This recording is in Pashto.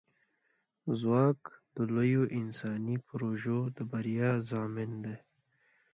ځواک د لویو انساني پروژو د بریا ضامن دی.